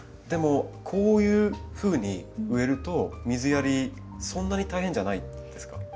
でもこういうふうに植えると水やりそんなに大変じゃないんですか？